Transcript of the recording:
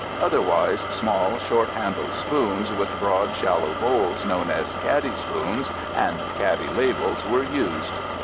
Otherwise, small, short handled spoons with broad, shallow bowls known as caddy spoons and caddy ladles were used.